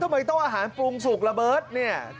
แล้วไปโต๊ะอาหารปรุงสุกระเบิดเนี่ย